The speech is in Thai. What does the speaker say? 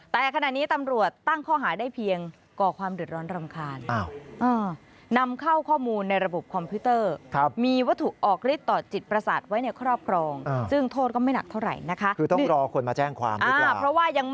แต่ขณะนี้ตำรวจตั้งข้อหาได้เพียงก่อความเดือดร้อนรำคาญ